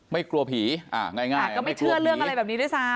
กลัวผีอ่าง่ายก็ไม่เชื่อเรื่องอะไรแบบนี้ด้วยซ้ำ